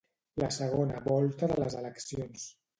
La segona volta de les eleccions.